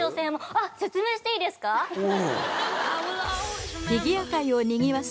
あっ説明していいですか？とは？